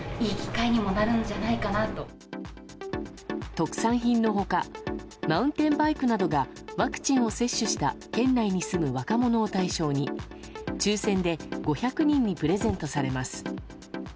特産品の他マウンテンバイクなどがワクチンを接種した県内に住む若者を対象に抽選で５００人にプレゼントされます。